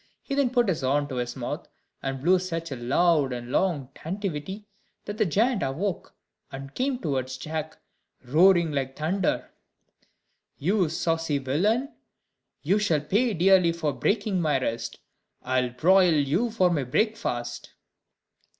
He then put his horn to his mouth, and blew such a loud and long tantivy, that the giant awoke, and came towards Jack, roaring like thunder: "You saucy villain, you shall pay dearly for breaking my rest; I will broil you for my breakfast."